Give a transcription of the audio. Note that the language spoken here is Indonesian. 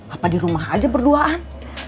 apa di rumah aja berduaan